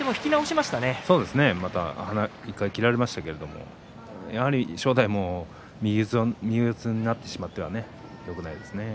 １回、切られましたけどやはり正代も右四つになってしまってはよくないですね。